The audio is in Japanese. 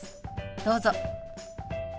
どうぞ。